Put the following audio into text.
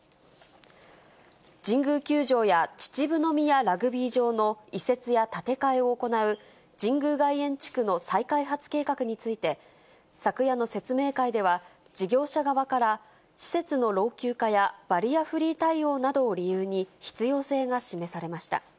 神宮球場や秩父宮ラグビー場の移設や建て替えを行う神宮外苑地区の再開発計画について、昨夜の説明会では、事業者側から施設の老朽化やバリアフリー対応などを理由に、必要性が示されました。